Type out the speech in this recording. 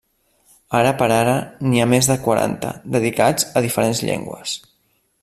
Ara per ara n'hi ha més de quaranta, dedicats a diferents llengües.